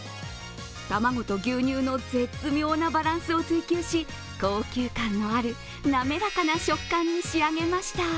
卵と牛乳の絶妙なバランスを追求し、高級感のある滑らかな食感に仕上げました。